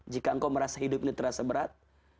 jika engkau merasa hidup ini terasa berat